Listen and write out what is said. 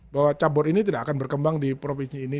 bahwa cabur ini tidak akan berkembang di provinsi ini